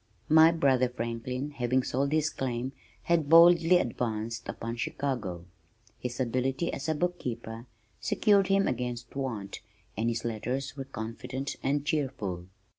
My brother Franklin having sold his claim had boldly advanced upon Chicago. His ability as a bookkeeper secured him against want, and his letters were confident and cheerful.